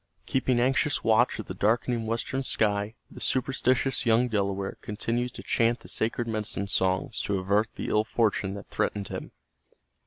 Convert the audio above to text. Keeping anxious watch of the darkening western sky, the superstitious young Delaware continued to chant the sacred medicine songs to avert the ill fortune that threatened him.